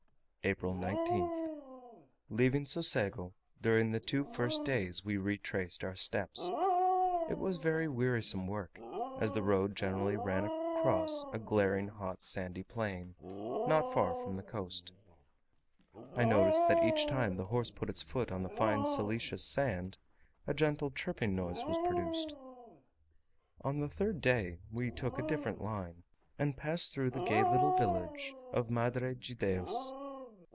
April 19th. Leaving Socego, during the two first days, we retraced our steps. It was very wearisome work, as the road generally ran across a glaring hot sandy plain, not far from the coast. I noticed that each time the horse put its foot on the fine siliceous sand, a gentle chirping noise was produced. On the third day we took a different line, and passed through the gay little village of Madre de Deos.